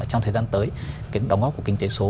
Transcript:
trong thời gian tới cái đóng góp của kinh tế số